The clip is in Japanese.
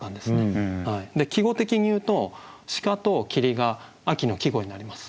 季語的に言うと「鹿」と「霧」が秋の季語になります。